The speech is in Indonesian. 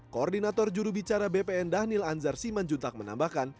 koordinator juru bicara bpn daniel anzar siman juntak menambahkan